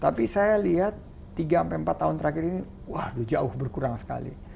tapi saya lihat tiga empat tahun terakhir ini waduh jauh berkurang sekali